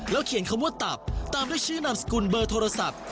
เขียนคำว่าตับตามด้วยชื่อนามสกุลเบอร์โทรศัพท์